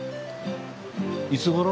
いつごろ？